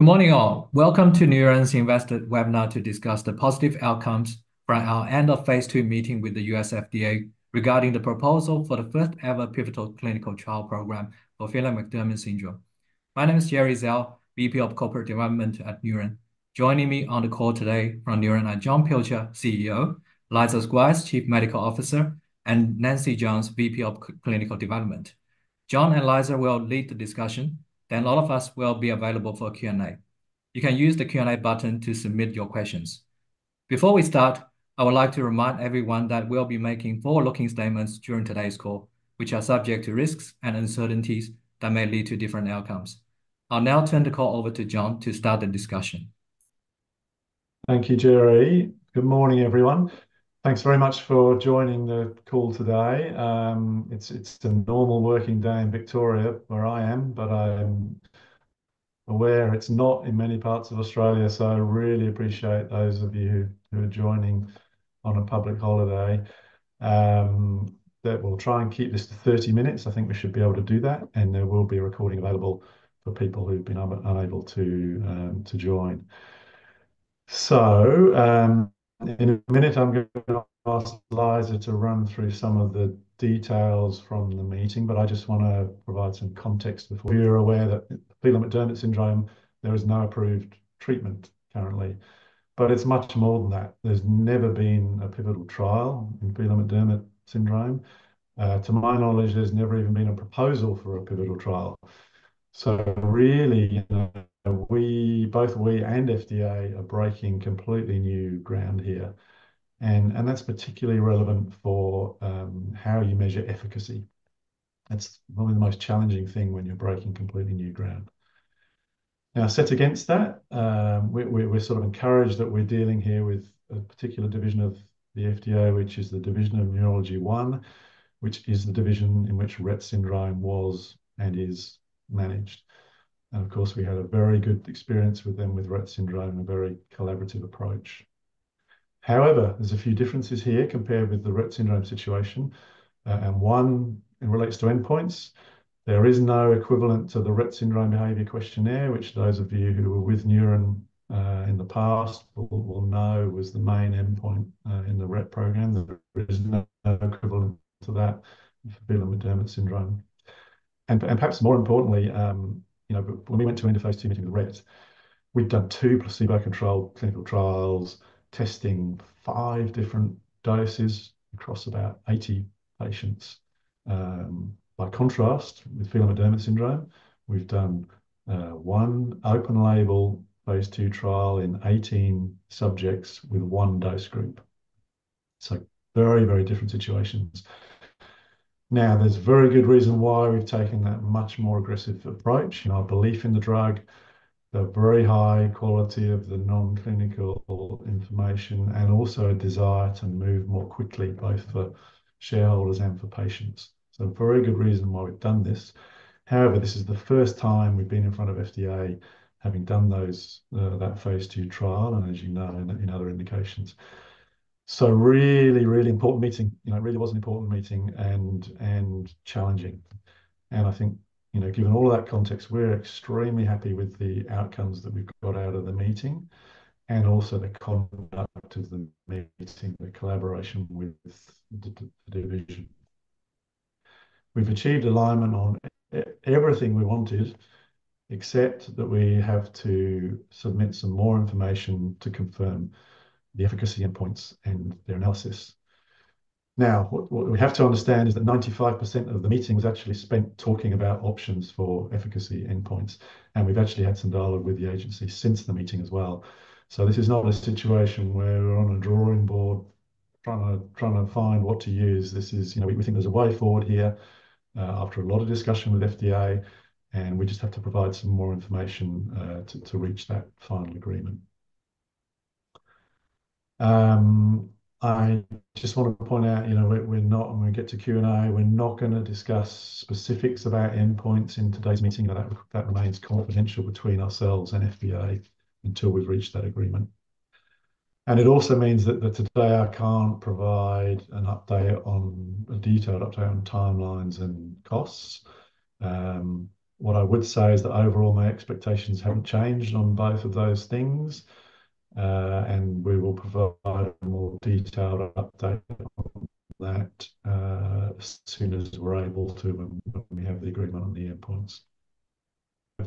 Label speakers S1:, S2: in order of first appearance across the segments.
S1: Good morning, all. Welcome to Neuren's Investor Webinar to discuss the positive outcomes from our end of phase II meeting with the U.S. FDA, regarding the proposal for the first-ever pivotal clinical trial program for Phelan-McDermid Syndrome. My name is Gerry Zhao, VP of Corporate Development at Neuren. Joining me on the call today from Neuren are Jon Pilcher, CEO, Liza Squires, Chief Medical Officer, and Nancy Jones, VP of Clinical Development. Jon and Liza will lead the discussion, then all of us will be available for Q&A. You can use the Q&A button to submit your questions. Before we start, I would like to remind everyone that we'll be making forward-looking statements during today's call, which are subject to risks and uncertainties that may lead to different outcomes. I'll now turn the call over to Jon to start the discussion.
S2: Thank you, Gerry. Good morning, everyone. Thanks very much for joining the call today. It's a normal working day in Victoria, where I am, but I'm aware it's not in many parts of Australia, so I really appreciate those of you who are joining on a public holiday. But we'll try and keep this to thirty minutes. I think we should be able to do that, and there will be a recording available for people who've been unable to join. So, in a minute, I'm going to ask Liza to run through some of the details from the meeting, but I just want to provide some context. Before you're aware that Phelan-McDermid Syndrome, there is no approved treatment currently, but it's much more than that. There's never been a pivotal trial in Phelan-McDermid Syndrome. To my knowledge, there's never even been a proposal for a pivotal trial, so really, you know, we, both we and FDA are breaking completely new ground here, and that's particularly relevant for how you measure efficacy. That's probably the most challenging thing when you're breaking completely new ground. Now, set against that, we're sort of encouraged that we're dealing here with a particular division of the FDA, which is the Division of Neurology 1, which is the division in which Rett Syndrome was and is managed, and of course, we had a very good experience with them with Rett Syndrome and a very collaborative approach. However, there's a few differences here compared with the Rett Syndrome situation, and one, it relates to endpoints. There is no equivalent to the Rett Syndrome Behavior Questionnaire, which those of you who were with Neuren in the past will know was the main endpoint in the Rett program. There is no equivalent to that for Phelan-McDermid Syndrome. And perhaps more importantly, you know, when we went to end of phase II meeting with Rett, we'd done two placebo-controlled clinical trials, testing five different doses across about 80 patients. By contrast, with Phelan-McDermid Syndrome, we've done one open-label phase II trial in 18 subjects with one dose group. So very, very different situations. Now, there's a very good reason why we've taken that much more aggressive approach. In our belief in the drug, the very high quality of the non-clinical information, and also a desire to move more quickly, both for shareholders and for patients. So a very good reason why we've done this. However, this is the first time we've been in front of FDA, having done those, that phase II trial, and as you know, in other indications. So really, really important meeting. You know, it really was an important meeting and challenging. And I think, you know, given all that context, we're extremely happy with the outcomes that we've got out of the meeting, and also the conduct of the meeting, the collaboration with the division. We've achieved alignment on everything we wanted, except that we have to submit some more information to confirm the efficacy endpoints and their analysis. Now, what we have to understand is that 95% of the meeting was actually spent talking about options for efficacy endpoints, and we've actually had some dialogue with the agency since the meeting as well. So this is not a situation where we're on a drawing board trying to find what to use. This is, you know, we think there's a way forward here, after a lot of discussion with FDA, and we just have to provide some more information, to reach that final agreement. I just want to point out, you know, we're not... When we get to Q&A, we're not gonna discuss specifics about endpoints in today's meeting. That remains confidential between ourselves and FDA until we've reached that agreement. And it also means that today I can't provide an update on, a detailed update on timelines and costs. What I would say is that overall, my expectations haven't changed on both of those things, and we will provide a more detailed update on that, as soon as we're able to, when we have the agreement on the endpoints.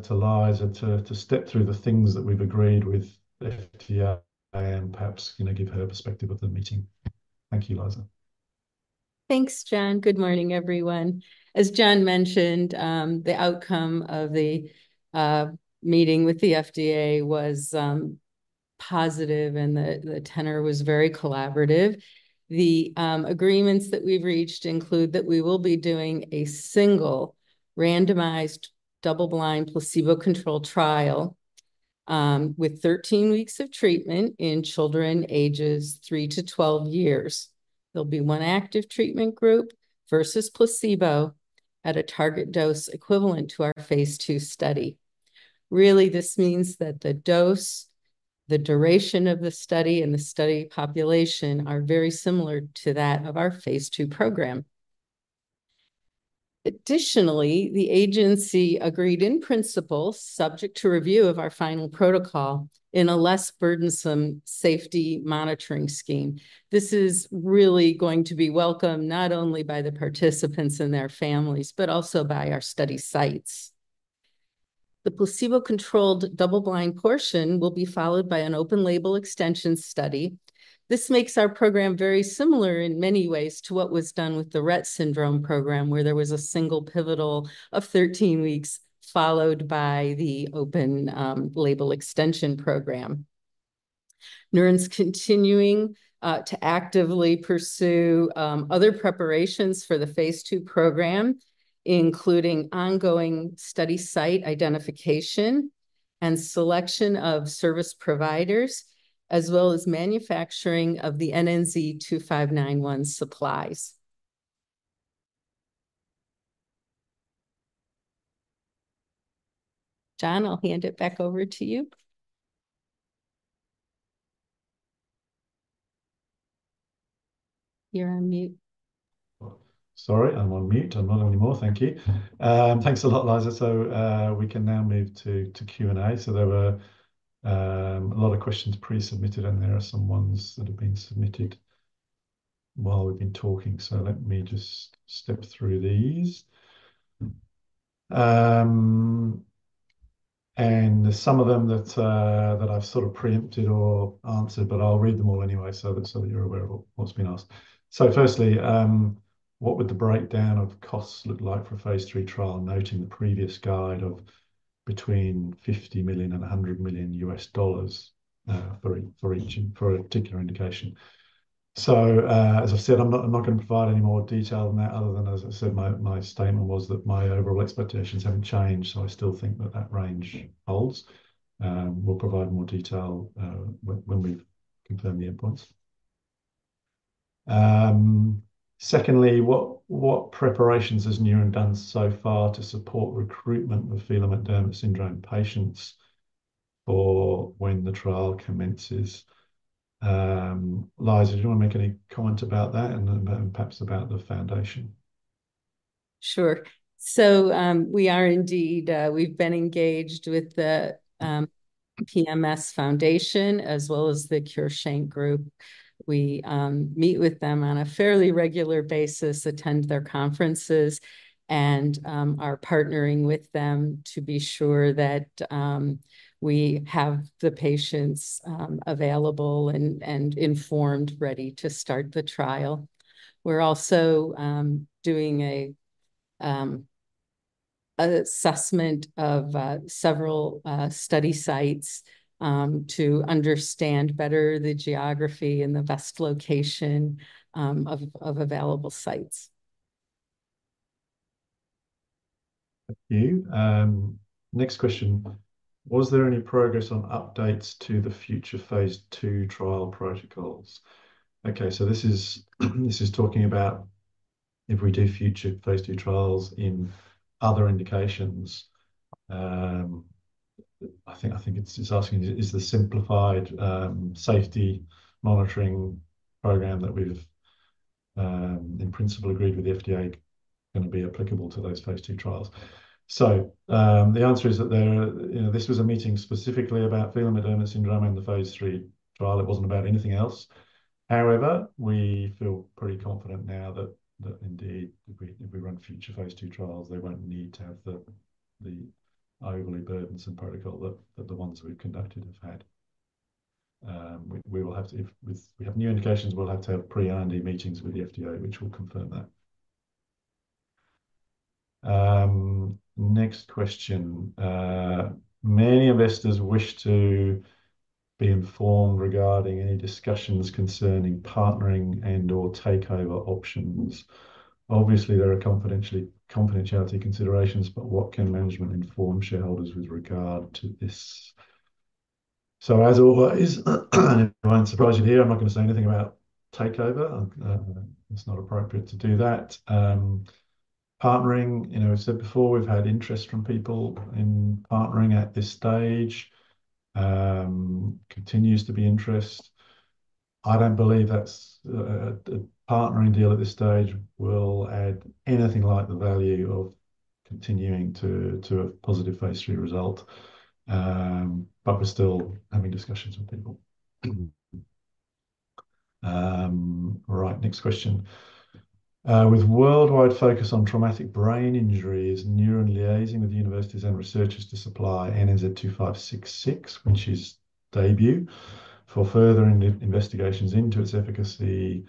S2: To Liza to step through the things that we've agreed with FDA and perhaps, you know, give her perspective of the meeting. Thank you, Liza.
S3: Thanks, Jon. Good morning, everyone. As Jon mentioned, the outcome of the meeting with the FDA was positive and the tenor was very collaborative. The agreements that we've reached include that we will be doing a single randomized, double-blind, placebo-controlled trial with 13 weeks of treatment in children ages 3 to 12 years. There'll be one active treatment group versus placebo at a target dose equivalent to our phase II study. Really, this means that the dose, the duration of the study, and the study population are very similar to that of our phase II program. Additionally, the agency agreed in principle, subject to review of our final protocol, in a less burdensome safety monitoring scheme. This is really going to be welcome, not only by the participants and their families, but also by our study sites. The placebo-controlled double-blind portion will be followed by an open-label extension study. This makes our program very similar in many ways to what was done with the Rett Syndrome program, where there was a single pivotal of 13 weeks, followed by the open label extension program. Neuren's continuing to actively pursue other preparations for the phase II program, including ongoing study site identification and selection of service providers, as well as manufacturing of the NNZ-2591 supplies. Jon, I'll hand it back over to you. You're on mute.
S2: Oh, sorry, I'm on mute. I'm not anymore. Thank you. Thanks a lot, Liza. We can now move to Q&A. There were a lot of questions pre-submitted, and there are some ones that have been submitted while we've been talking. Let me just step through these. There's some of them that I've sort of preempted or answered, but I'll read them all anyway, so that you're aware of what's been asked. Firstly, what would the breakdown of costs look like for a phase III trial, noting the previous guide of between $50 million and $100 million for each particular indication? As I've said, I'm not going to provide any more detail than that, other than, as I said, my statement was that my overall expectations haven't changed, so I still think that that range holds. We'll provide more detail when we've confirmed the endpoints. Secondly, what preparations has Neuren done so far to support recruitment of Phelan-McDermid Syndrome patients for when the trial commences? Liza, do you want to make any comment about that and then perhaps about the foundation?
S3: Sure. So, we are indeed. We've been engaged with the PMS Foundation as well as the CureSHANK group. We meet with them on a fairly regular basis, attend their conferences, and are partnering with them to be sure that we have the patients available and informed, ready to start the trial. We're also doing a assessment of several study sites to understand better the geography and the best location of available sites.
S2: Thank you. Next question: Was there any progress on updates to the future phase II trial protocols? Okay. This is talking about if we do future phase II trials in other indications. I think it's asking, is the simplified safety monitoring program that we've in principle agreed with the FDA gonna be applicable to those phase II trials? The answer is that there, you know, this was a meeting specifically about Phelan-McDermid Syndrome and the phase III trial. It wasn't about anything else. However, we feel pretty confident now that indeed, if we run future phase II trials, they won't need to have the overly burdensome protocol that the ones we've conducted have had. We will have to... If we have new indications, we'll have to have pre-IND meetings with the FDA, which will confirm that. Next question. Many investors wish to be informed regarding any discussions concerning partnering and/or takeover options. Obviously, there are confidentiality considerations, but what can management inform shareholders with regard to this? As always, it won't surprise you to hear, I'm not gonna say anything about takeover. It's not appropriate to do that. Partnering, you know, we've said before, we've had interest from people in partnering at this stage. Continues to be interest. I don't believe that's a partnering deal at this stage will add anything like the value of continuing to a positive phase III result. But we're still having discussions with people. Right, next question. With worldwide focus on traumatic brain injuries, Neuren liaising with universities and researchers to supply NNZ-2566, which is DAYBUE, for further investigations into its efficacy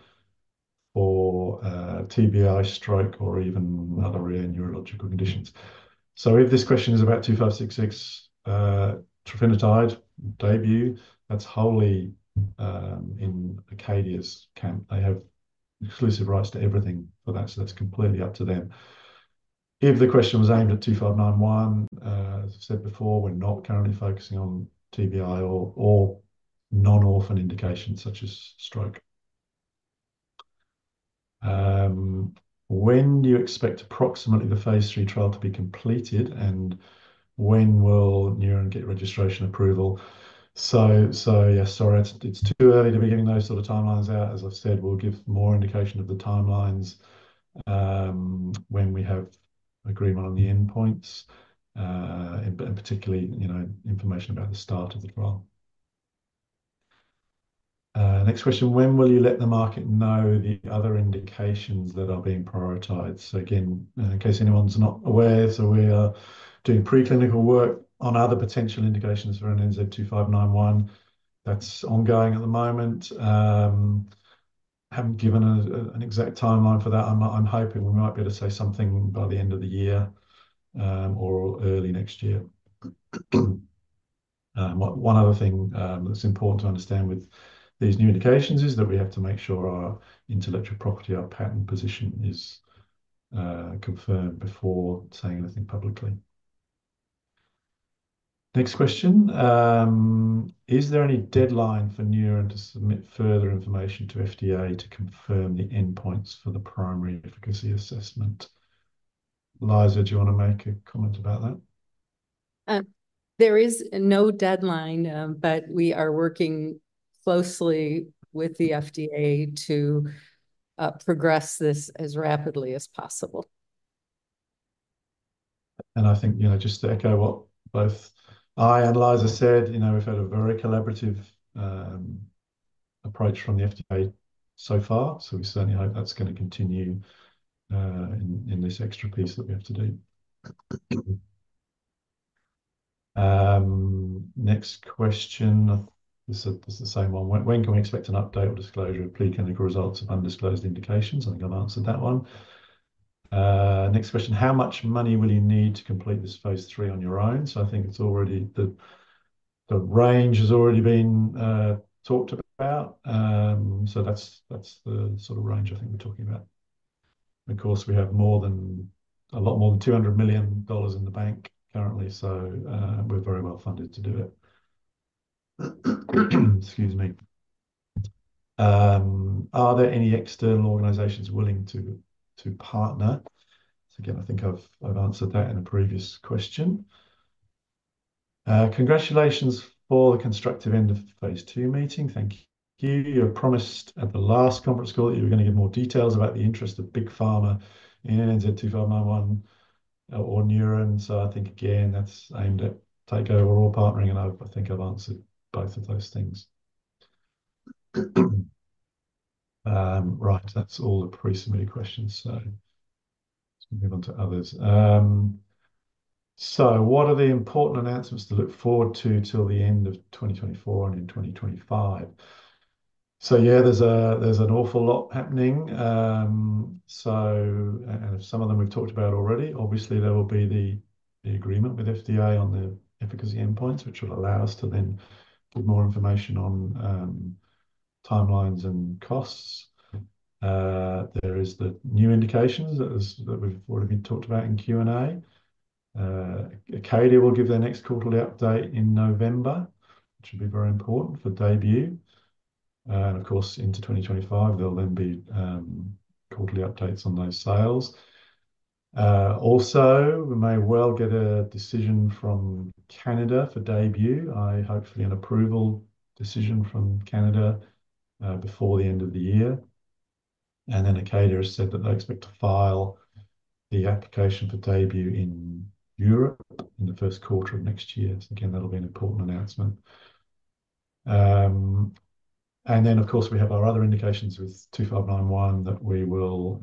S2: for TBI, stroke, or even other rare neurological conditions. So if this question is about NNZ-2566, trofinetide DAYBUE, that's wholly in Acadia's camp. They have exclusive rights to everything for that, so that's completely up to them. If the question was aimed at two, five, nine, one, as I said before, we're not currently focusing on TBI or non-orphan indications such as stroke. When do you expect approximately the phase III trial to be completed, and when will Neuren get registration approval? So yeah, sorry, it's too early to be giving those sort of timelines out. As I've said, we'll give more indication of the timelines when we have-... agreement on the endpoints, and particularly, you know, information about the start of the trial. Next question: When will you let the market know the other indications that are being prioritized? So again, in case anyone's not aware, so we are doing preclinical work on other potential indications for NNZ-2591. That's ongoing at the moment. Haven't given an exact timeline for that. I'm hoping we might be able to say something by the end of the year, or early next year. One other thing, that's important to understand with these new indications is that we have to make sure our intellectual property, our patent position, is confirmed before saying anything publicly. Next question: Is there any deadline for Neuren to submit further information to FDA to confirm the endpoints for the primary efficacy assessment? Liza, do you want to make a comment about that?
S3: There is no deadline, but we are working closely with the FDA to progress this as rapidly as possible.
S2: And I think, you know, just to echo what both I and Liza said, you know, we've had a very collaborative approach from the FDA so far, so we certainly hope that's gonna continue in this extra piece that we have to do. Next question. This is the same one: When can we expect an update or disclosure of preclinical results of undisclosed indications? I think I've answered that one. Next question: How much money will you need to complete this phase III on your own? So I think it's already the range has already been talked about. So that's the sort of range I think we're talking about. Of course, we have more than... a lot more than $200 million in the bank currently, so we're very well funded to do it. Excuse me. Are there any external organizations willing to partner? So again, I think I've answered that in a previous question. Congratulations for the constructive end of the phase II meeting. Thank you. You had promised at the last conference call that you were gonna give more details about the interest of Big Pharma in NNZ-2591 or Neuren. So I think again, that's aimed at takeover or partnering, and I think I've answered both of those things. Right, that's all the pre-submitted questions, so let's move on to others. So what are the important announcements to look forward to till the end of 2024 and in 2025? So yeah, there's an awful lot happening. And some of them we've talked about already. Obviously, there will be the agreement with FDA on the efficacy endpoints, which will allow us to then give more information on timelines and costs. There is the new indications that we've already talked about in Q&A. Acadia will give their next quarterly update in November, which will be very important for DAYBUE. Of course, into 2025, there'll then be quarterly updates on those sales. Also, we may well get a decision from Canada for DAYBUE, hopefully an approval decision from Canada, before the end of the year. Then Acadia has said that they expect to file the application for DAYBUE in Europe in the first quarter of next year. So again, that'll be an important announcement. And then, of course, we have our other indications with NNZ-2591 that we will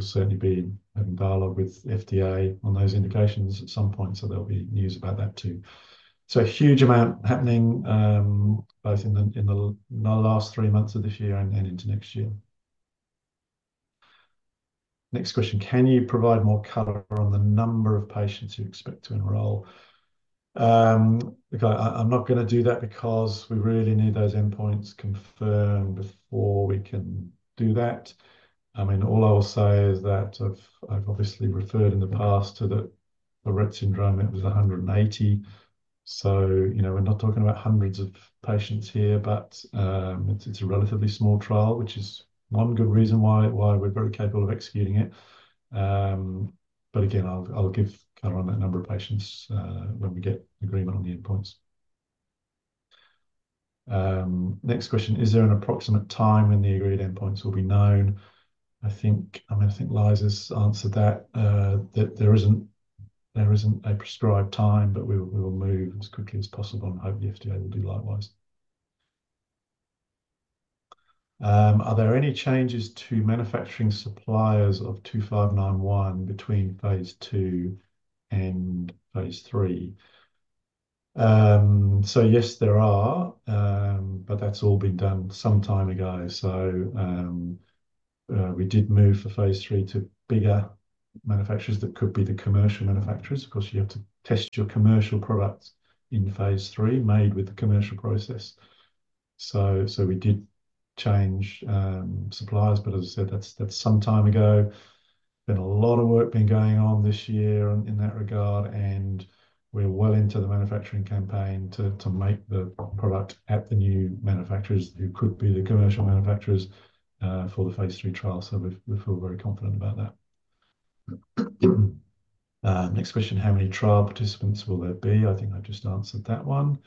S2: certainly be in dialogue with FDA on those indications at some point, so there'll be news about that, too. So a huge amount happening both in the last three months of this year and into next year. Next question: Can you provide more color on the number of patients you expect to enroll? Look, I'm not gonna do that because we really need those endpoints confirmed before we can do that. I mean, all I will say is that I've obviously referred in the past to the Rett Syndrome; it was 180. So, you know, we're not talking about hundreds of patients here, but it's a relatively small trial, which is one good reason why we're very capable of executing it. But again, I'll give color on that number of patients when we get agreement on the endpoints. Next question: Is there an approximate time when the agreed endpoints will be known? I think Liza's answered that there isn't a prescribed time, but we will move as quickly as possible, and hope the FDA will do likewise. Are there any changes to manufacturing suppliers of NN`Z-2591 between phase II and phase III? So yes, there are, but that's all been done some time ago. So, we did move for phase III to bigger manufacturers that could be the commercial manufacturers. Of course, you have to test your commercial products in phase III, made with the commercial process. So we did change suppliers, but as I said, that's some time ago. Been a lot of work going on this year in that regard, and we're well into the manufacturing campaign to make the product at the new manufacturers, who could be the commercial manufacturers for the phase III trial, so we feel very confident about that. Next question: How many trial participants will there be? I think I've just answered that one.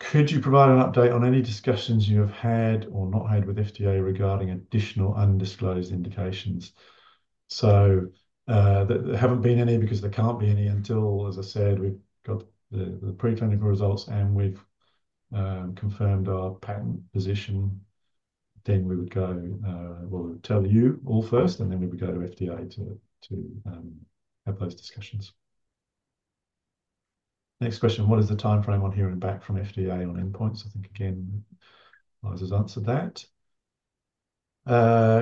S2: Could you provide an update on any discussions you have had or not had with FDA regarding additional undisclosed indications? So, there haven't been any because there can't be any until, as I said, we've got the pre-clinical results and we've confirmed our patent position. Then we would go, we'll tell you all first, and then we would go to FDA to have those discussions. Next question: What is the timeframe on hearing back from FDA on endpoints? I think, again, Liza's answered that.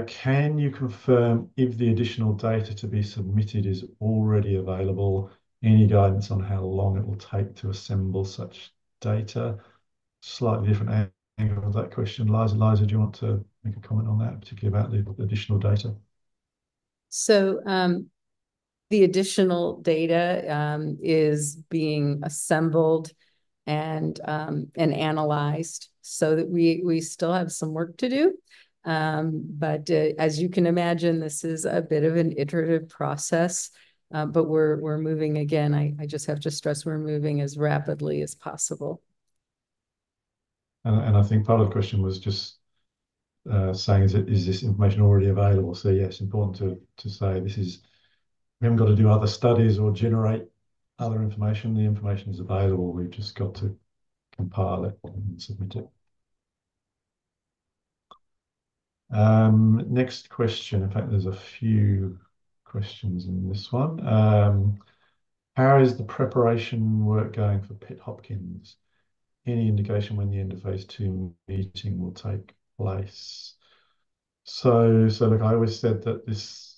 S2: Can you confirm if the additional data to be submitted is already available? Any guidance on how long it will take to assemble such data? Slightly different angle of that question. Liza, do you want to make a comment on that, particularly about the additional data?
S3: The additional data is being assembled and analyzed, so that we still have some work to do. But, as you can imagine, this is a bit of an iterative process, but we're moving again. I just have to stress, we're moving as rapidly as possible.
S2: I think part of the question was just saying, is it-- is this information already available? Yes, it is important to say this is... We haven't got to do other studies or generate other information. The information is available, we've just got to compile it and submit it. Next question. In fact, there's a few questions in this one. How is the preparation work going for Pitt-Hopkins? Any indication when the end of phase II meeting will take place? Look, I always said that this,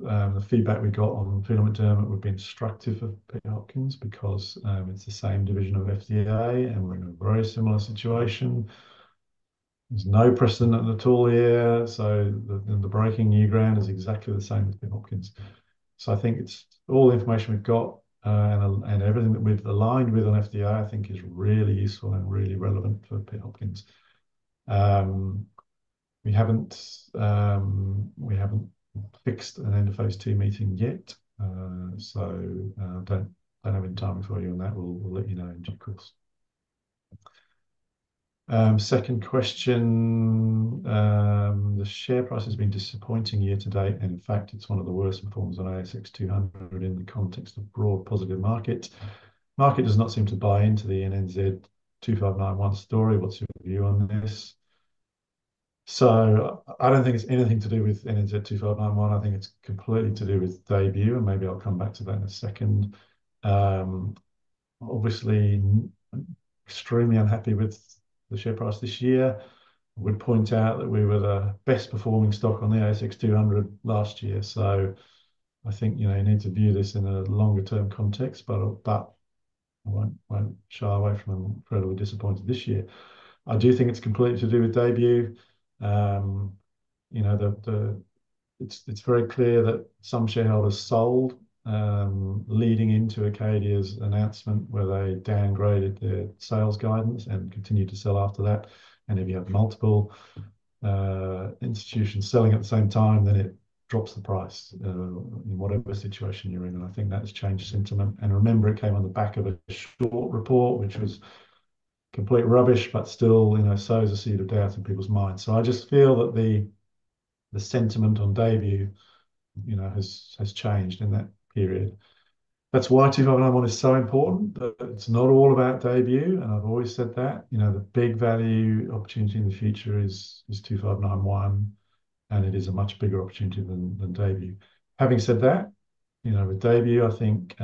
S2: the feedback we got on Phelan-McDermid would be instructive of Pitt-Hopkins because it's the same division of FDA, and we're in a very similar situation. There's no precedent at all here, so the breaking new ground is exactly the same with Pitt-Hopkins. So I think it's all the information we've got, and everything that we've aligned with on FDA, I think is really useful and really relevant for Pitt-Hopkins. We haven't fixed an end of phase II meeting yet, so don't have any timing for you on that. We'll let you know in due course. Second question. The share price has been disappointing year to date, and in fact, it's one of the worst performers on ASX 200 in the context of broad positive market. Market does not seem to buy into the NNZ-2591 story. What's your view on this? So I don't think it's anything to do with NNZ-2591. I think it's completely to do with DAYBUE, and maybe I'll come back to that in a second. Obviously extremely unhappy with the share price this year. I would point out that we were the best-performing stock on the ASX 200 last year. So I think, you know, you need to view this in a longer-term context, but I won't shy away from incredibly disappointed this year. I do think it's completely to do with DAYBUE. You know, it's very clear that some shareholders sold, leading into Acadia's announcement, where they downgraded their sales guidance and continued to sell after that. And if you have multiple institutions selling at the same time, then it drops the price, in whatever situation you're in, and I think that has changed sentiment. And remember, it came on the back of a short report, which was complete rubbish, but still, you know, sows a seed of doubt in people's minds. I just feel that the sentiment on DAYBUE, you know, has changed in that period. That's why NNZ-2591 is so important, but it's not all about DAYBUE, and I've always said that. You know, the big value opportunity in the future is NNZ-2591, and it is a much bigger opportunity than DAYBUE. Having said that, you know, with DAYBUE, I think,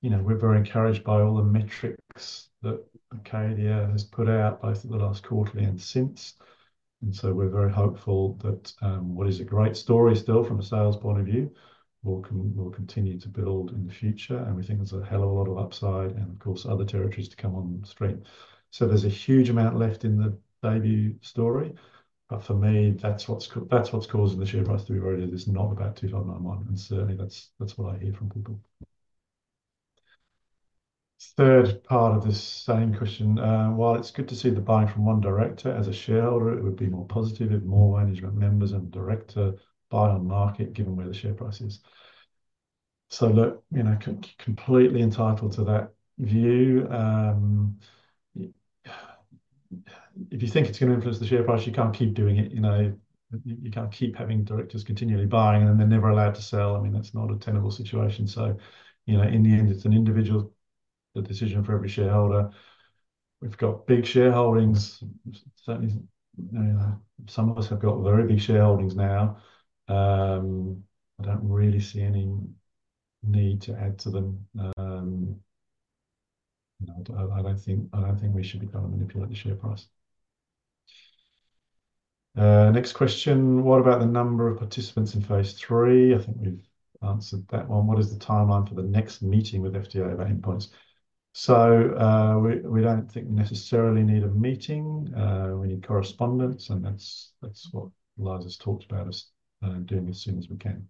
S2: you know, we're very encouraged by all the metrics that Acadia has put out, both at the last quarterly and since. And so we're very hopeful that what is a great story still from a sales point of view will continue to build in the future, and we think there's a hell of a lot of upside and, of course, other territories to come on stream. So there's a huge amount left in the DAYBUE story, but for me, that's what's causing the share price to be very... It is not about NNZ-2591, and certainly, that's what I hear from people. Third part of this same question. While it's good to see the buying from one director, as a shareholder, it would be more positive if more management members and directors buy on market, given where the share price is. So look, you know, completely entitled to that view. If you think it's gonna influence the share price, you can't keep doing it. You know, you can't keep having directors continually buying, and then they're never allowed to sell. I mean, that's not a tenable situation. So, you know, in the end, it's an individual decision for every shareholder. We've got big shareholdings. Certainly, you know, some of us have got very big shareholdings now. I don't really see any need to add to them. I don't think we should be trying to manipulate the share price. Next question: What about the number of participants in phase III? I think we've answered that one. What is the timeline for the next meeting with FDA about endpoints? We don't think we necessarily need a meeting. We need correspondence, and that's what Liza's talked about us doing as soon as we can.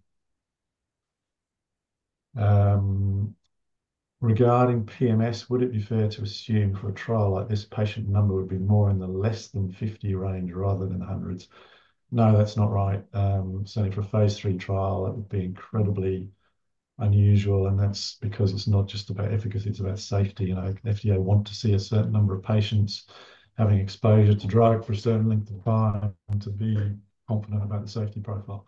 S2: Regarding PMS, would it be fair to assume for a trial like this, patient number would be more in the less than 50 range rather than hundreds? No, that's not right. Certainly for a phase III trial, that would be incredibly-... unusual, and that's because it's not just about efficacy, it's about safety. You know, FDA want to see a certain number of patients having exposure to drug for a certain length of time to be confident about the safety profile.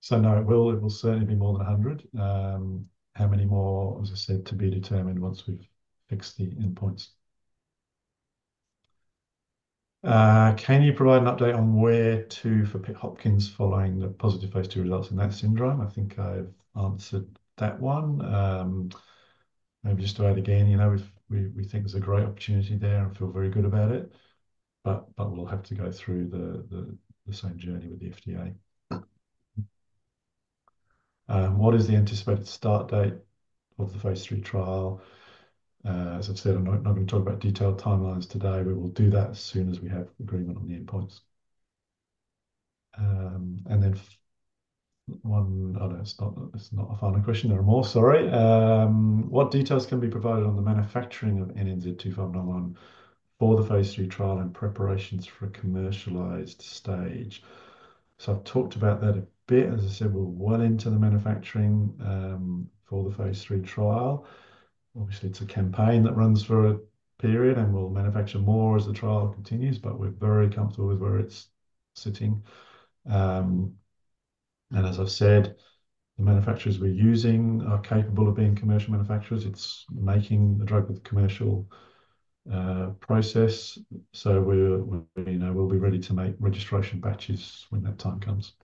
S2: So no, it will certainly be more than a hundred. How many more, as I said, to be determined once we've fixed the endpoints. Can you provide an update on where to for Pitt-Hopkins following the positive phase II results in that syndrome? I think I've answered that one. Maybe just to add again, you know, we think there's a great opportunity there and feel very good about it, but we'll have to go through the same journey with the FDA. What is the anticipated start date of the phase III trial? As I've said, I'm not gonna talk about detailed timelines today. We will do that as soon as we have agreement on the endpoints. And then one. Oh, no, it's not a final question. There are more, sorry. What details can be provided on the manufacturing of NNZ-2591 for the phase III trial and preparations for a commercialized stage? So I've talked about that a bit. As I said, we're well into the manufacturing for the phase III trial. Obviously, it's a campaign that runs for a period, and we'll manufacture more as the trial continues, but we're very comfortable with where it's sitting. And as I've said, the manufacturers we're using are capable of being commercial manufacturers. It's making the drug with the commercial process. So we're, you know, we'll be ready to make registration batches when that time comes.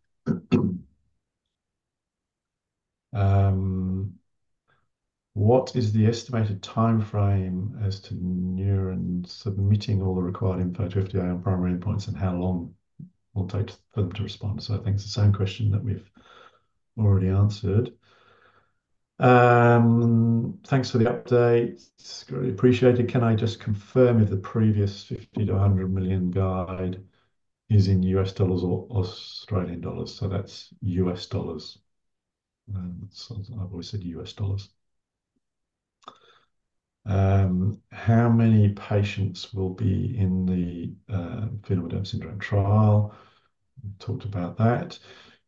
S2: What is the estimated timeframe as to Neuren submitting all the required info to FDA on primary endpoints, and how long will it take for them to respond? I think it's the same question that we've already answered. Thanks for the update. It's greatly appreciated. Can I just confirm if the previous $50-$100 million guide is in U.S. dollars or Australian dollars? That's U.S. dollars. I've always said US dollars. How many patients will be in the Phelan-McDermid Syndrome trial? Talked about that.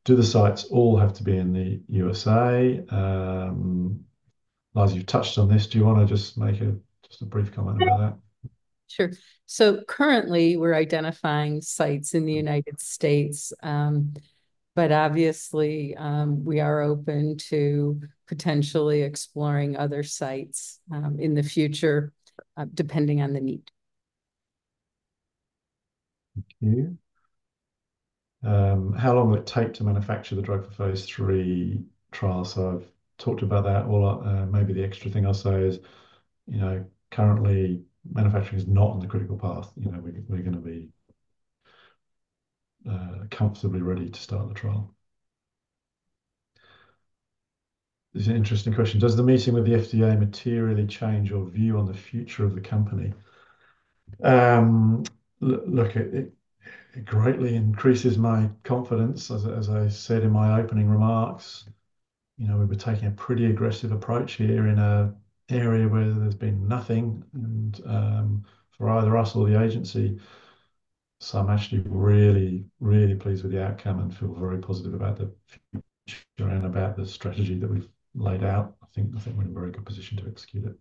S2: Do the sites all have to be in the U.S.A.? Liza, you've touched on this. Do you wanna just make a brief comment about that?
S3: Sure. So currently, we're identifying sites in the United States. But obviously, we are open to potentially exploring other sites, in the future, depending on the need.
S2: Thank you. How long will it take to manufacture the drug for phase III trial? So I've talked about that a lot, maybe the extra thing I'll say is, you know, currently manufacturing is not on the critical path. You know, we're gonna be comfortably ready to start the trial. This is an interesting question: Does the meeting with the FDA materially change your view on the future of the company? Look, it greatly increases my confidence. As I said in my opening remarks, you know, we were taking a pretty aggressive approach here in an area where there's been nothing, and for either us or the agency. So I'm actually really, really pleased with the outcome and feel very positive about the future and about the strategy that we've laid out. I think, I think we're in a very good position to execute it.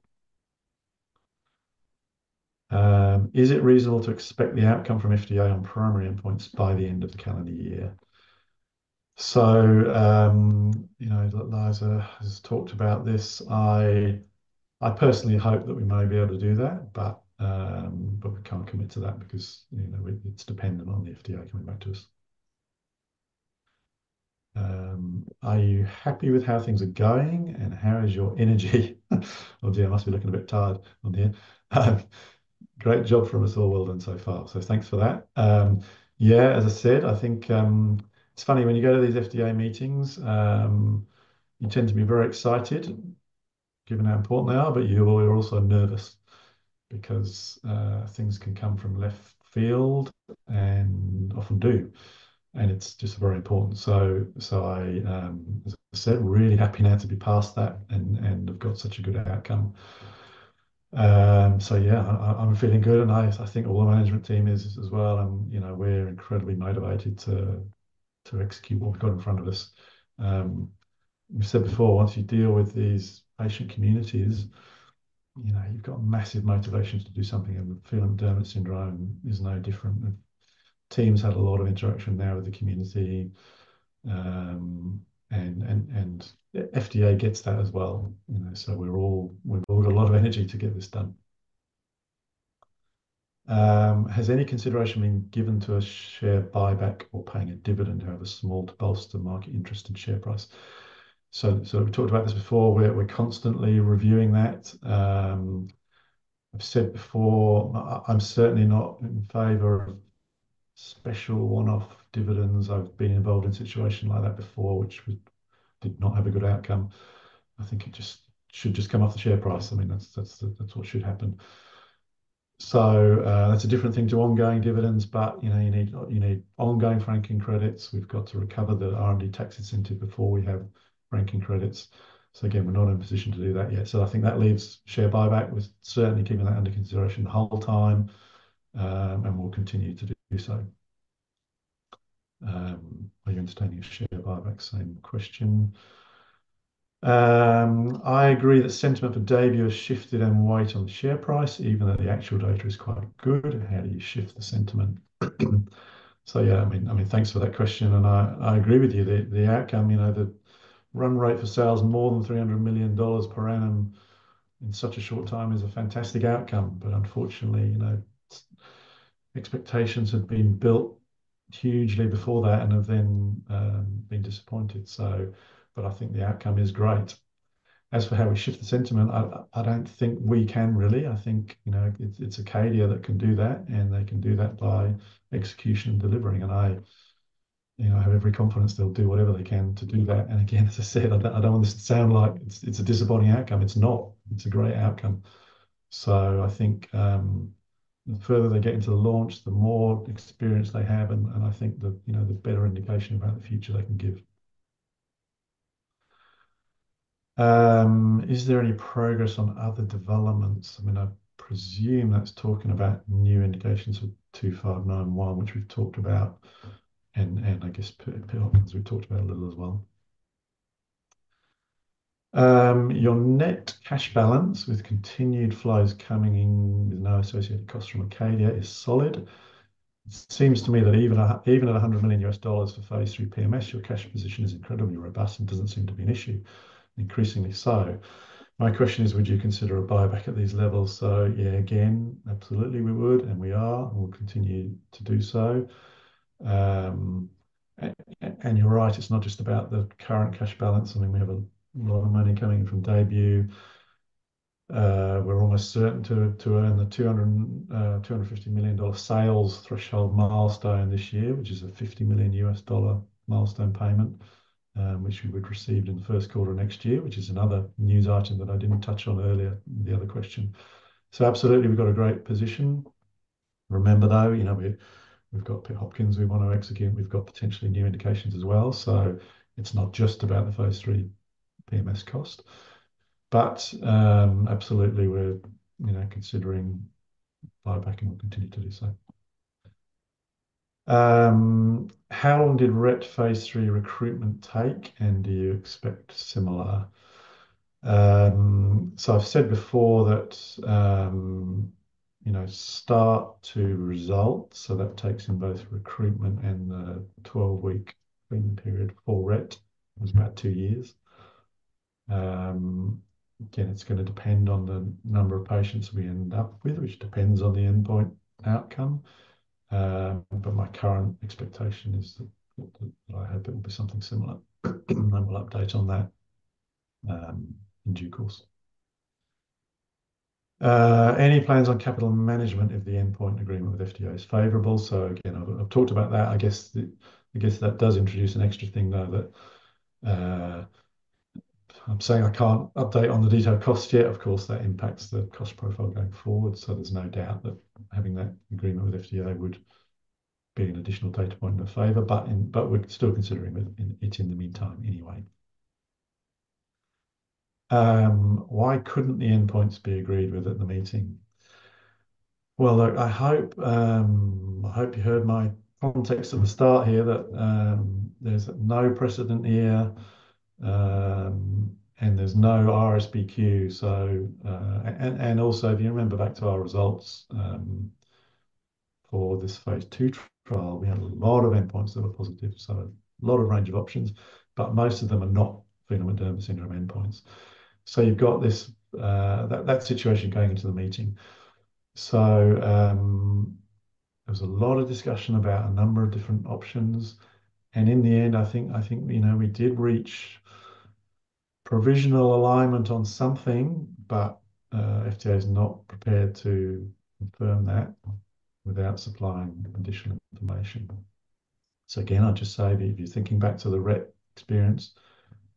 S2: Is it reasonable to expect the outcome from FDA on primary endpoints by the end of the calendar year? So, you know, Liza has talked about this. I, I personally hope that we may be able to do that, but, but we can't commit to that because, you know, it, it's dependent on the FDA coming back to us. Are you happy with how things are going, and how is your energy? Oh, dear, I must be looking a bit tired on here. Great job from us all, well done so far. So thanks for that. Yeah, as I said, I think... It's funny, when you go to these FDA meetings, you tend to be very excited, given how important they are, but you're also nervous because things can come from left field and often do, and it's just very important. So, as I said, we're really happy now to be past that, and have got such a good outcome. So yeah, I'm feeling good, and I think all the management team is as well, and, you know, we're incredibly motivated to execute what we've got in front of us. We've said before, once you deal with these patient communities, you know, you've got massive motivation to do something, and Phelan-McDermid Syndrome is no different. The team's had a lot of interaction there with the community, and FDA gets that as well, you know, so we've all got a lot of energy to get this done. Has any consideration been given to a share buyback or paying a dividend, however small, to bolster market interest and share price? So we talked about this before. We're constantly reviewing that. I've said before, I'm certainly not in favor of special one-off dividends. I've been involved in a situation like that before, which did not have a good outcome. I think it should come off the share price. I mean, that's what should happen. So that's a different thing to ongoing dividends, but you know, you need ongoing franking credits. We've got to recover the R&D tax incentive before we have franking credits. So again, we're not in a position to do that yet. So I think that leaves share buyback. We've certainly keeping that under consideration the whole time, and we'll continue to do so. Are you understanding a share buyback? Same question. I agree that sentiment for DAYBUE has shifted and weighed on the share price, even though the actual data is quite good. How do you shift the sentiment? So yeah, I mean, thanks for that question, and I agree with you. The outcome, you know, the run rate for sales more than $300 million per annum in such a short time is a fantastic outcome. But unfortunately, you know, expectations have been built hugely before that and have then been disappointed. I think the outcome is great. As for how we shift the sentiment, I don't think we can really. I think, you know, it's Acadia that can do that, and they can do that by execution and delivering, and you know, I have every confidence they'll do whatever they can to do that. Again, as I said, I don't want this to sound like it's a disappointing outcome. It's not. It's a great outcome. I think the further they get into the launch, the more experience they have, and I think you know the better indication about the future they can give. Is there any progress on other developments? I mean, I presume that's talking about new indications for NNZ-2591, which we've talked about, and I guess Pitt-Hopkins, we've talked about a little as well. Your net cash balance with continued flows coming in with no associated costs from Acadia is solid. It seems to me that even at $100 million for phase III PMS, your cash position is incredibly robust and doesn't seem to be an issue, increasingly so. My question is, would you consider a buyback at these levels? So yeah, again, absolutely, we would, and we are, and we'll continue to do so. And you're right, it's not just about the current cash balance. I mean, we have a lot of money coming in from DAYBUE. We're almost certain to earn the $250 million sales threshold milestone this year, which is a $50 million milestone payment, which we would receive in the first quarter of next year, which is another news item that I didn't touch on earlier in the other question. So absolutely, we've got a great position. Remember, though, you know, we've got Pitt-Hopkins, we want to execute. We've got potentially new indications as well. So it's not just about the phase III PMS cost, but absolutely we're, you know, considering buyback and we'll continue to do so. How long did Rett phase III recruitment take, and do you expect similar? So I've said before that, you know, start to result, so that takes in both recruitment and the twelve-week screening period for Rett, was about two years. Again, it's gonna depend on the number of patients we end up with, which depends on the endpoint outcome. But my current expectation is that I hope it will be something similar, and we'll update on that, in due course. Any plans on capital management if the endpoint agreement with FDA is favorable? So again, I've talked about that. I guess that does introduce an extra thing, though, that I'm saying I can't update on the detailed costs yet. Of course, that impacts the cost profile going forward, so there's no doubt that having that agreement with FDA would be an additional data point in our favor, but we're still considering it in the meantime anyway. Why couldn't the endpoints be agreed with at the meeting? Look, I hope you heard my context at the start here, that there's no precedent here, and there's no RSBQ, so and also, if you remember back to our results for this phase II trial, we had a lot of endpoints that were positive, so a lot of range of options, but most of them are not Phelan-McDermid Syndrome endpoints. So you've got this, that situation going into the meeting. So, there was a lot of discussion about a number of different options, and in the end, I think you know, we did reach provisional alignment on something, but FDA is not prepared to confirm that without supplying additional information. So again, I'd just say that if you're thinking back to the Rett experience,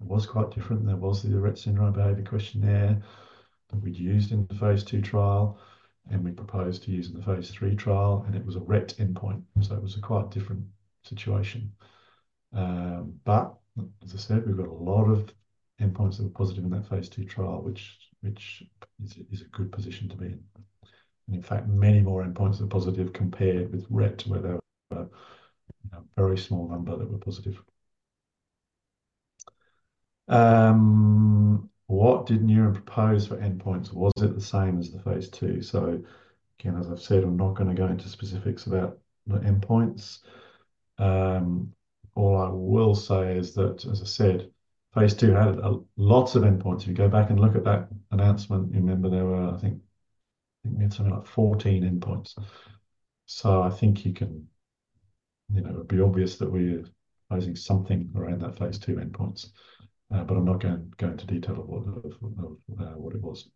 S2: it was quite different. There was the Rett Syndrome Behavior Questionnaire that we'd used in the phase II trial, and we proposed to use in the phase III trial, and it was a Rett endpoint, so it was a quite different situation. But as I said, we've got a lot of endpoints that were positive in that phase II trial, which is a good position to be in. In fact, many more endpoints that are positive compared with Rett, where there were a very small number that were positive. What did Neuren propose for endpoints? Was it the same as the phase II? Again, as I've said, I'm not gonna go into specifics about the endpoints. All I will say is that, as I said, phase II had a lot of endpoints. If you go back and look at that announcement, you remember there were, I think, we had something like fourteen endpoints. I think you can, you know, it would be obvious that we're proposing something around that phase II endpoints, but I'm not gonna go into detail of what it was.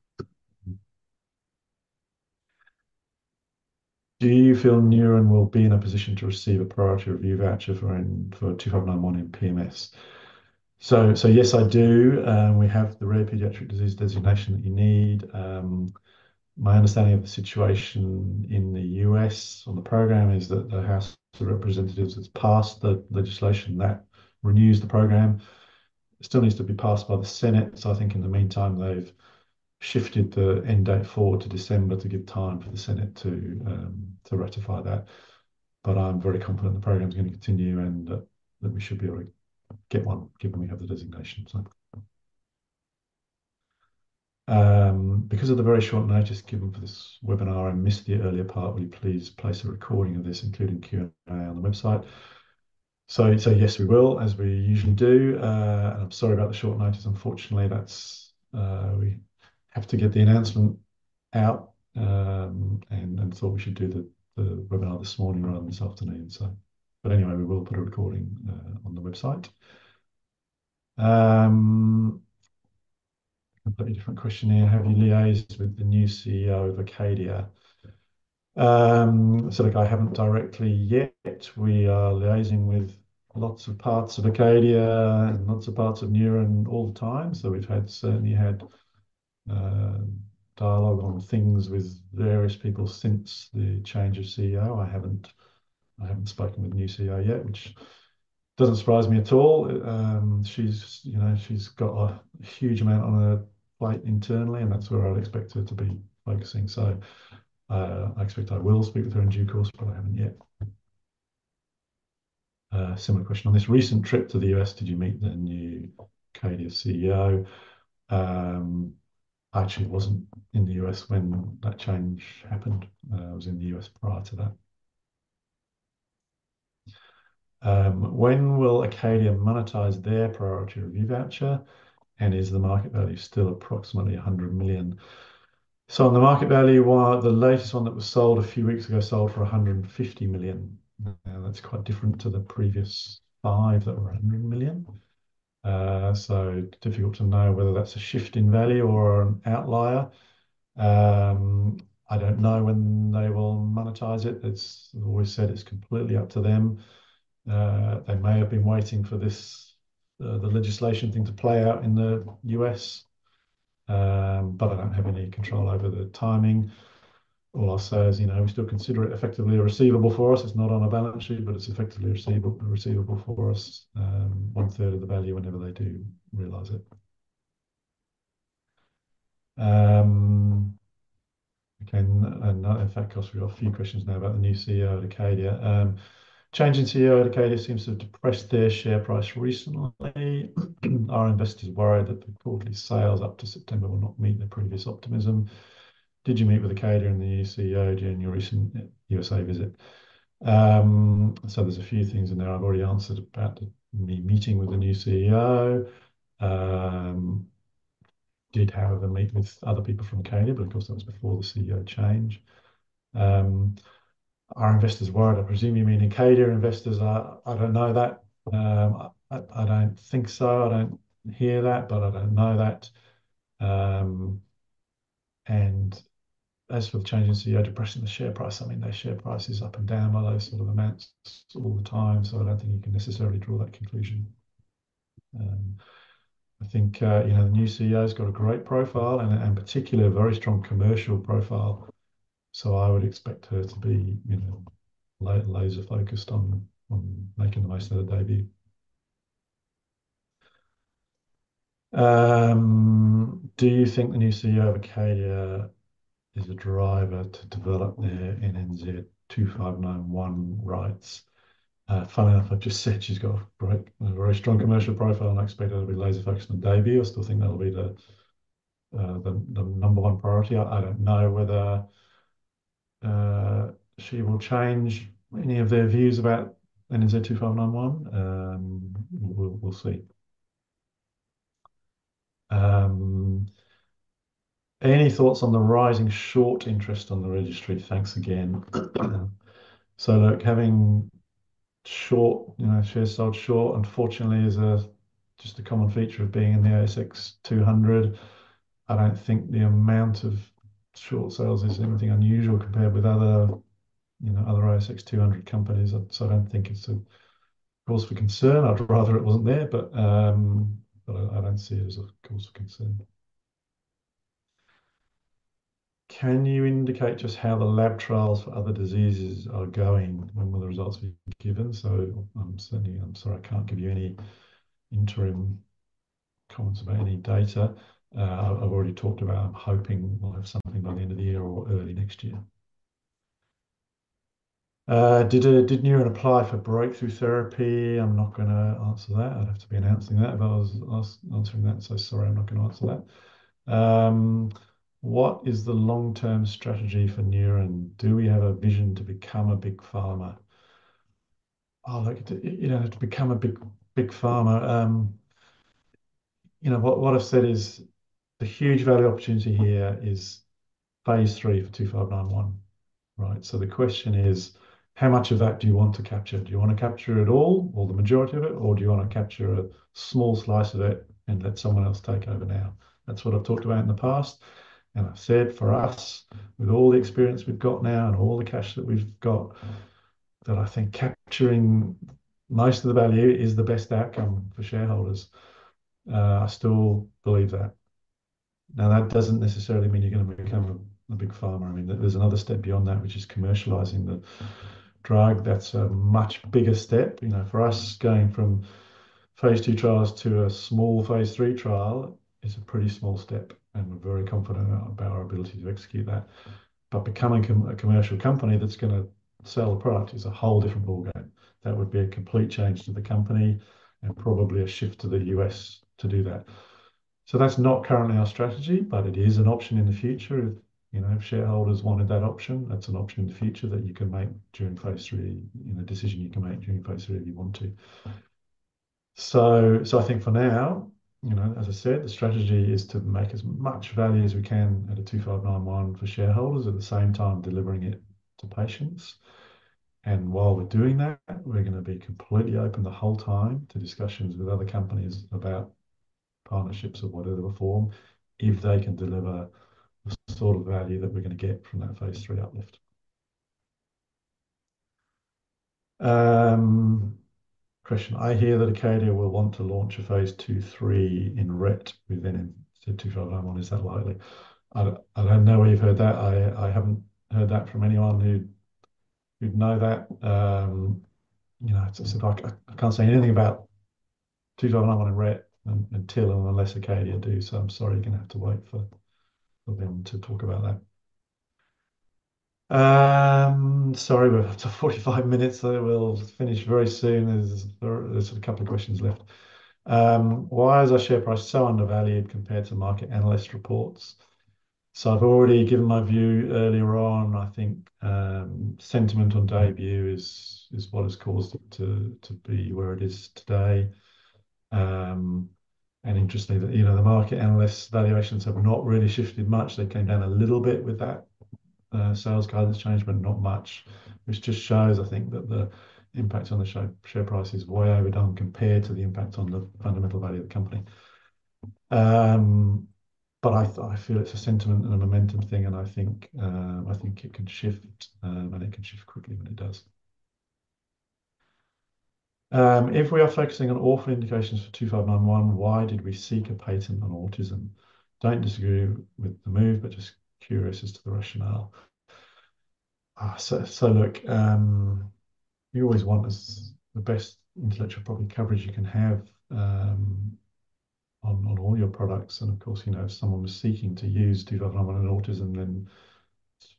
S2: Do you feel Neuren will be in a position to receive a priority review voucher for NNZ-2591 in PMS? So yes, I do, and we have the rare pediatric disease designation that you need. My understanding of the situation in the U.S. on the program is that the House of Representatives has passed the legislation that renews the program. It still needs to be passed by the Senate, so I think in the meantime, they've shifted the end date forward to December to give time for the Senate to ratify that. But I'm very confident the program's gonna continue, and that we should be able to get one, given we have the designation. Because of the very short notice given for this webinar, I missed the earlier part. Will you please place a recording of this, including Q&A on the website? So yes, we will, as we usually do. I'm sorry about the short notice. Unfortunately, that's we have to get the announcement out, and thought we should do the webinar this morning rather than this afternoon, so. But anyway, we will put a recording on the website. Completely different question here: Have you liaised with the new CEO of Acadia? So look, I haven't directly yet. We are liaising with lots of parts of Acadia and lots of parts of Neuren all the time. So we've certainly had dialogue on things with various people since the change of CEO. I haven't spoken with the new CEO yet, which doesn't surprise me at all. She's, you know, she's got a huge amount on her plate internally, and that's where I'd expect her to be focusing. I expect I will speak with her in due course, but I haven't yet. Similar question. On this recent trip to the U.S., did you meet the new Acadia CEO? I actually wasn't in the U.S. when that change happened. I was in the U.S. prior to that. When will Acadia monetize their priority review voucher, and is the market value still approximately $100 million? On the market value, well, the latest one that was sold a few weeks ago sold for $150 million. That's quite different to the previous five that were $100 million. So difficult to know whether that's a shift in value or an outlier. I don't know when they will monetize it. It's always said it's completely up to them. They may have been waiting for this, the legislation thing to play out in the U.S., but I don't have any control over the timing. All I'll say is, you know, we still consider it effectively a receivable for us. It's not on our balance sheet, but it's effectively a receivable for us, one-third of the value whenever they do realize it. Okay, and in fact, of course, we've got a few questions now about the new CEO at Acadia. Change in CEO at Acadia seems to have depressed their share price recently. Are investors worried that the quarterly sales up to September will not meet the previous optimism? Did you meet with Acadia and the new CEO during your recent U.S. visit? So there's a few things in there I've already answered about me meeting with the new CEO. Did have a meeting with other people from Acadia, but of course, that was before the CEO change. Are investors worried? I presume you mean Acadia investors are... I don't know that. I don't think so. I don't hear that, but I don't know that. And as for the change in CEO depressing the share price, I mean, their share price is up and down by those sort of amounts all the time, so I don't think you can necessarily draw that conclusion. I think, you know, the new CEO's got a great profile and particularly a very strong commercial profile, so I would expect her to be, you know, laser-focused on making the most out of DAYBUE. Do you think the new CEO of Acadia is a driver to develop their NNZ-2591 rights? Funny enough, I've just said she's got a great, a very strong commercial profile, and I expect her to be laser-focused on DAYBUE. I still think that'll be the number one priority. I don't know whether she will change any of their views about NNZ-2591. We'll see. Any thoughts on the rising short interest on the register? Thanks again. So, look, having short, you know, shares sold short, unfortunately, is just a common feature of being in the ASX 200. I don't think the amount of short sales is anything unusual compared with other, you know, ASX 200 companies. So I don't think it's a cause for concern. I'd rather it wasn't there, but I don't see it as a cause for concern. Can you indicate just how the lab trials for other diseases are going? When will the results be given? I'm certainly, I'm sorry, I can't give you any interim comments about any data. I've already talked about, I'm hoping we'll have something by the end of the year or early next year. Did Neuren apply for breakthrough therapy? I'm not gonna answer that. I'd have to be announcing that if I was answering that, so sorry, I'm not gonna answer that. What is the long-term strategy for Neuren? Do we have a vision to become a big pharma? Oh, look, you know, to become a big, big pharma, you know, what I've said is the huge value opportunity here is phase III for 2591, right? So the question is, how much of that do you want to capture? Do you want to capture it all, or the majority of it, or do you want to capture a small slice of it and let someone else take over now? That's what I've talked about in the past, and I've said for us, with all the experience we've got now and all the cash that we've got, that I think capturing most of the value is the best outcome for shareholders. I still believe that. Now, that doesn't necessarily mean you're gonna become a big pharma. I mean, there's another step beyond that, which is commercializing the drug. That's a much bigger step. You know, for us, going from phase II trials to a small phase III trial is a pretty small step, and we're very confident about our ability to execute that. But becoming a commercial company that's gonna sell a product is a whole different ballgame. That would be a complete change to the company and probably a shift to the U.S. to do that. So that's not currently our strategy, but it is an option in the future. If, you know, if shareholders wanted that option, that's an option in the future that you can make during phase III, you know, a decision you can make during phase III if you want to. I think for now, you know, as I said, the strategy is to make as much value as we can out of NNZ-2591 for shareholders, at the same time delivering it to patients. And while we're doing that, we're gonna be completely open the whole time to discussions with other companies about partnerships of whatever form, if they can deliver the sort of value that we're gonna get from that phase III uplift. Question: I hear that Acadia will want to launch a phase II, III in Rett within NNZ-2591. Is that likely? I don't know where you've heard that. I haven't heard that from anyone who'd know that. You know, it's like I can't say anything about NNZ-2591 in Rett until and unless Acadia do. I'm sorry, you're gonna have to wait for them to talk about that. Sorry, we're up to 45 minutes, so we'll finish very soon. There's a couple of questions left. Why is our share price so undervalued compared to market analyst reports? So I've already given my view earlier on. I think sentiment on DAYBUE is what has caused it to be where it is today. And interestingly, you know, the market analyst valuations have not really shifted much. They came down a little bit with that sales guidance change, but not much, which just shows, I think, that the impact on the share price is way overdone compared to the impact on the fundamental value of the company. But I feel it's a sentiment and a momentum thing, and I think it can shift, and it can shift quickly when it does. If we are focusing on orphan indications for NNZ-2591, why did we seek a patent on autism? Don't disagree with the move, but just curious as to the rationale. So look, you always want the best intellectual property coverage you can have on all your products, and of course, you know, if someone was seeking to use NNZ-2591 on autism, then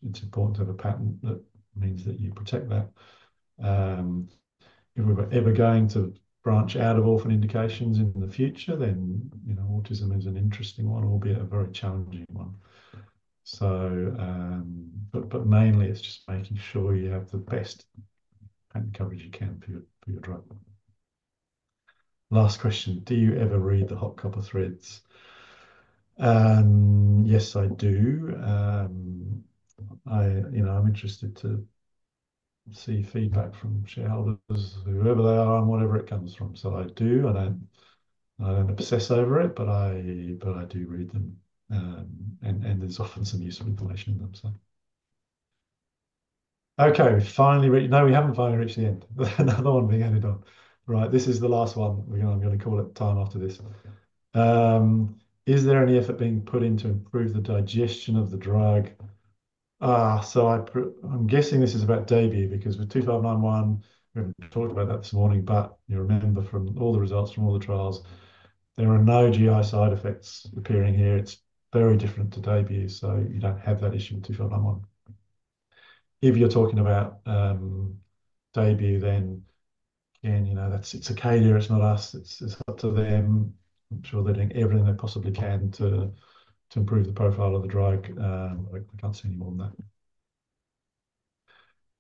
S2: it's important to have a patent that means that you protect that. If we were ever going to branch out of orphan indications in the future, then, you know, autism is an interesting one, albeit a very challenging one. But mainly it's just making sure you have the best patent coverage you can for your drug. Last question: Do you ever read the HotCopper threads? Yes, I do. You know, I'm interested to see feedback from shareholders, whoever they are and whatever it comes from. So I do, and I don't obsess over it, but I do read them, and there's often some useful information in them, so. Okay, we've finally reached. No, we haven't finally reached the end. Another one being added on. Right, this is the last one. We're gonna call it time after this. Is there any effort being put in to improve the digestion of the drug? Ah, so I'm guessing this is about DAYBUE because with NNZ-2591, we haven't talked about that this morning, but you remember from all the results from all the trials, there are no GI side effects appearing here. It's very different to DAYBUE, so you don't have that issue with NNZ-2591. If you're talking about DAYBUE, then again, you know, that's it's Acadia, it's not us. It's up to them. I'm sure they're doing everything they possibly can to improve the profile of the drug. I can't say any more on that.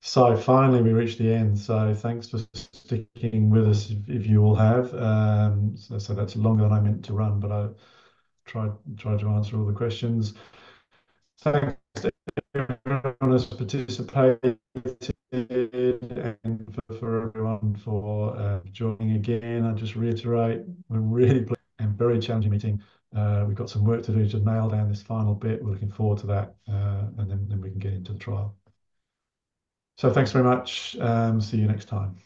S2: So finally, we reached the end. So thanks for sticking with us, if you all have. So that's longer than I meant to run, but I tried to answer all the questions. Thanks to everyone who's participated and for everyone joining again. I'd just reiterate, we're really pleased and very challenging meeting. We've got some work to do to nail down this final bit. We're looking forward to that, and then we can get into the trial, so thanks very much. See you next time.